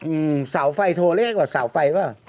อืมเสาไฟโทรแรกกว่าเสาไฟเปล่า